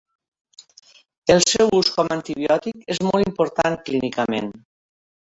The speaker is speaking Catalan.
El seu ús com a antibiòtic és molt important clínicament.